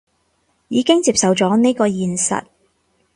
已經接受咗呢個現實